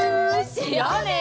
しようね！